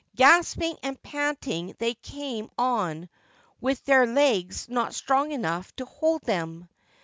Gasping and panting they came on with their legs not strong enough to hold them.